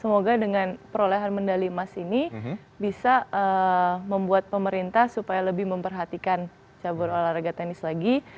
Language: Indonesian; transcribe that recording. semoga dengan perolehan medali emas ini bisa membuat pemerintah supaya lebih memperhatikan cabur olahraga tenis lagi